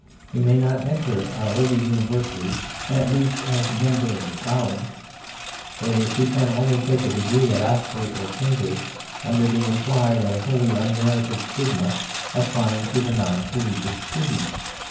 He may not enter our older Universities, at least as the member of a college; that is, he can only take a degree at Oxford or Cambridge under the implied and wholly unmerited stigma applying to the non collegiate student.